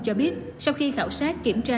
cho biết sau khi khảo sát kiểm tra